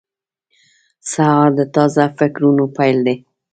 سهار د تازه فکرونو پیل دی.